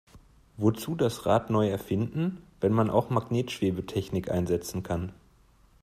Wozu das Rad neu erfinden, wenn man auch Magnetschwebetechnik einsetzen kann?